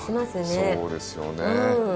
そうですよね。